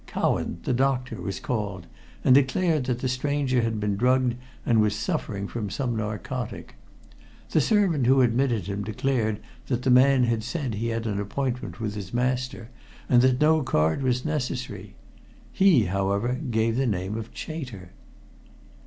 Cowan, the doctor, was called, and declared that the stranger had been drugged and was suffering from some narcotic. The servant who admitted him declared that the man had said he had an appointment with his master, and that no card was necessary. He, however, gave the name of Chater."